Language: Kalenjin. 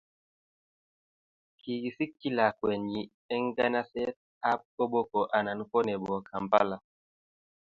kikisikji lakwenji eng nganaset ab koboko anan ko nebo kampala